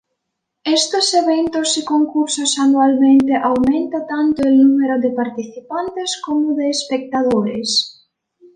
Estos eventos y concursos anualmente aumenta tanto el número de participantes como de espectadores.